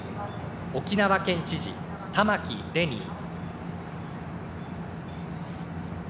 沖縄県知事、玉城デニー。